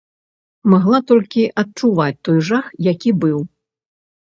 Магла толькі адчуваць той жах, які быў.